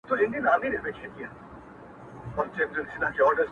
زما نوم دي گونجي ، گونجي په پېكي كي پاته سوى